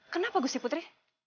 kenapa gusti putri